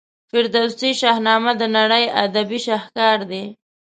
فردوسي شاهنامه د نړۍ ادبي شهکار دی.